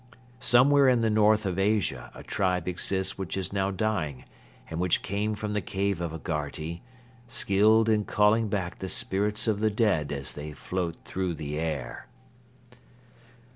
... Somewhere in the north of Asia a tribe exists which is now dying and which came from the cave of Agharti, skilled in calling back the spirits of the dead as they float through the air."